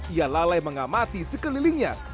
ia lalai mengamati sekelilingnya